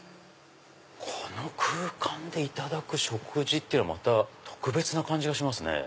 この空間でいただく食事ってまた特別な感じがしますね。